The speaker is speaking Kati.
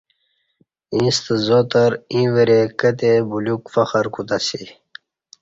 ییݩستہ زاتر ایں وریں کہ تئے بلیوک فخر کوتہ اسی